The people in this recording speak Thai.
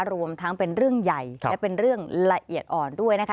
รวมทั้งเป็นเรื่องใหญ่และเป็นเรื่องละเอียดอ่อนด้วยนะคะ